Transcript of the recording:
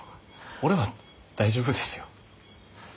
俺は大丈夫ですよ。